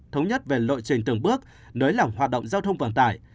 thống nhất về lộ trình từng bước nới lỏng hoạt động giao thông vận tải